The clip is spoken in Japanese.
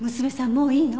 もういいの？